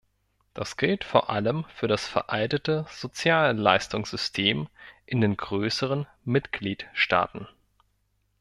Das gilt vor allem für das veraltete Sozialleistungssystem in den größeren Mitgliedstaaten.